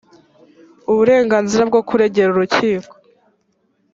uburenganzira bwo kuregera urukiko